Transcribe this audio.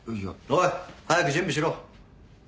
おい早く準備しろ。